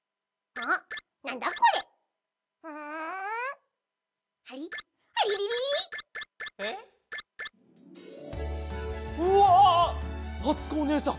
あつこおねえさん